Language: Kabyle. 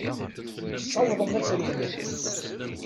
Tessawḍem ad trewlem.